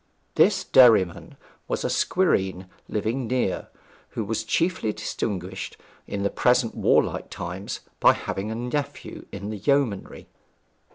This Derriman was a squireen living near, who was chiefly distinguished in the present warlike time by having a nephew in the yeomanry.